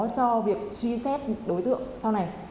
cho việc truy xét đối tượng sau này